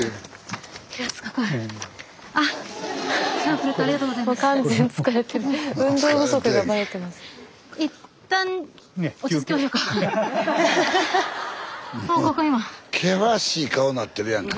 スタジオ険しい顔になってるやんか。